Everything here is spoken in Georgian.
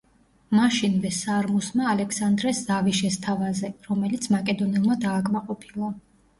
მაშინვე სარმუსმა ალექსანდრეს ზავი შესთავაზე, რომელიც მაკედონელმა დააკმაყოფილა.